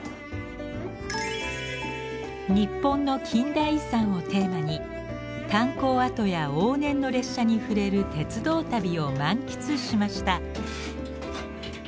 日本の近代遺産をテーマに炭鉱跡や往年の列車に触れる鉄道旅を満喫しました。